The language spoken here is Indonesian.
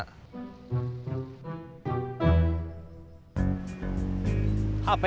ketika kamu menunggu apa yang kamu lakukan